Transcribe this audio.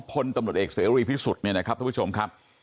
พลตำรวจเอกเสรีพิสุทธิ์เนี่ยนะครับทุกผู้ชมครับ